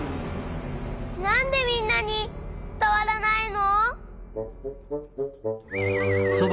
なんでみんなにつたわらないの！？